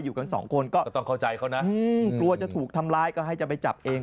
อยู่กันสองคนก็ต้องเข้าใจเขานะกลัวจะถูกทำร้ายก็ให้จะไปจับเอง